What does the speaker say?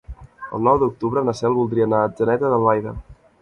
El nou d'octubre na Cel voldria anar a Atzeneta d'Albaida.